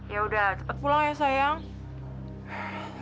ya udah cepet pulang ya sayang